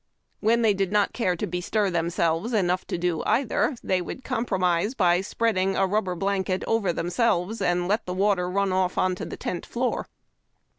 When they did not care to bestir themselves enough to do either, they would compromise by spreading a rubber blanket over themselves, and let the Avater run off on to the tent floor.